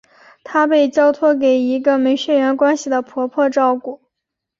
他被交托给一个没血缘关系的婆婆照顾。